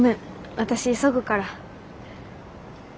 私急ぐから。